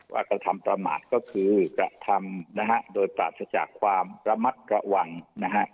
กระทำประมาทก็คือกระทำนะฮะโดยปราศจากความระมัดระวังนะฮะ